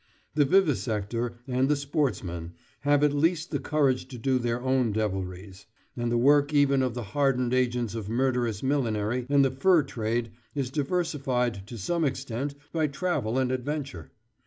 The vivisector and the sportsman have at least the courage to do their own devilries; and the work even of the hardened agents of "murderous millinery" and the fur trade is diversified to some extent by travel and adventure.